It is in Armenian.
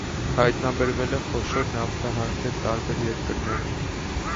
Հայտնաբերել է խոշոր նավթահանքեր տարբեր երկրներում։